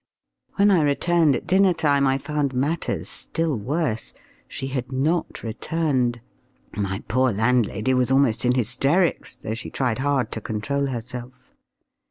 When I returned at dinner time I found matters still worse. She had not returned. My poor landlady was almost in hysterics, though she tried hard to control herself.